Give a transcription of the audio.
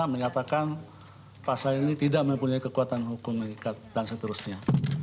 menyatakan pasal ini tidak mempunyai kekuatan hukum dan seterusnya